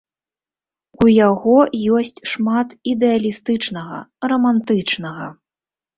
У яго ёсць шмат ідэалістычнага, рамантычнага.